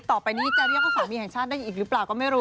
ต่อไปนี้จะเรียกว่าสามีแห่งชาติได้อีกหรือเปล่าก็ไม่รู้